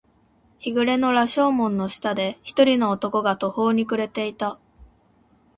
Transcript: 日暮れの羅生門の下で、一人の男が途方に暮れていた。